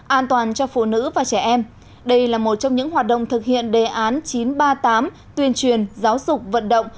an toàn cho phụ nữ và trẻ em đây là một trong những hoạt động thực hiện đề án chín trăm ba mươi tám tuyên truyền giáo dục vận động